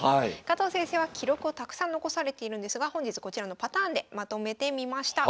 加藤先生は記録をたくさん残されているんですが本日こちらのパターンでまとめてみました。